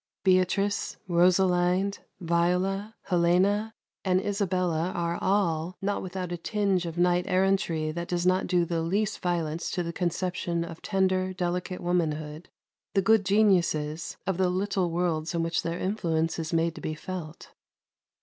Beatrice, Rosalind, Viola, Helena, and Isabella are all, not without a tinge of knight errantry that does not do the least violence to the conception of tender, delicate womanhood, the good geniuses of the little worlds in which their influence is made to be felt.